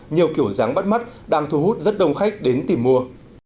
nhiều kiểu dáng bắt mắt đang thu hút rất đông khách đến tìm mua